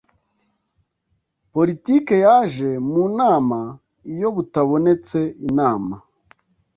politiki yaje mu nama iyo butabonetse inama